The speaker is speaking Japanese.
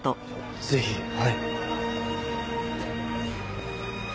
ぜひはい。